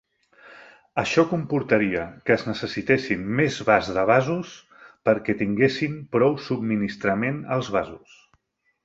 Això comportaria que es necessitessin més vas de vasos perquè tinguessin prou subministrament els vasos.